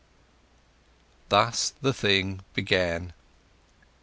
Thus the thing began.